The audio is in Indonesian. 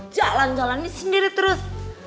jalan jalannya sendiri terus